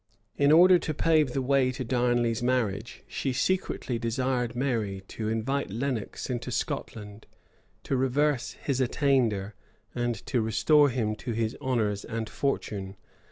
In order to pave the way to Darnley's marriage, she secretly desired Mary to invite Lenox into Scotland, to reverse his attainder, and to restore him to his honors and fortune.